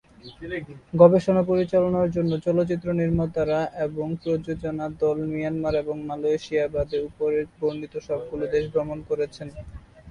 গবেষণা পরিচালনার জন্য, চলচ্চিত্র নির্মাতারা এবং প্রযোজনা দল মিয়ানমার এবং মালয়েশিয়া বাদে উপরে বর্ণিত সবগুলো দেশ ভ্রমণ করেছেন।